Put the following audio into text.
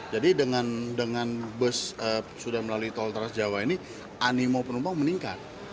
jadi dengan bus sudah melalui tol trans jawa ini animo penumpang meningkat